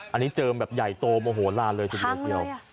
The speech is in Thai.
อันนี้เจิมแบบใหญ่โตโมโหลานเลยทีเดียวเชียว